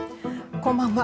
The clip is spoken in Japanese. こんばんは。